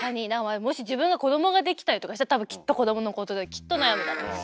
もし自分が子供ができたりとかしたら多分きっと子供のことできっと悩むだろうし。